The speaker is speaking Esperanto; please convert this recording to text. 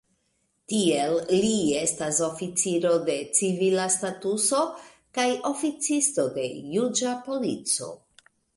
Tiel, li estas oficiro de civila statuso kaj oficisto de juĝa polico.